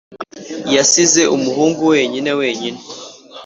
yasize umuhungu wenyine, wenyine